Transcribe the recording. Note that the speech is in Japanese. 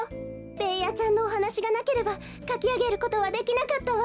ベーヤちゃんのおはなしがなければかきあげることはできなかったわ。